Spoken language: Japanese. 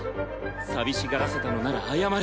寂しがらせたのなら謝る。